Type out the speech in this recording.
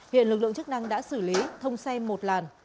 hiện lực lượng chức năng đã xử lý thông xe một làn